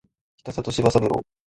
北里柴三郎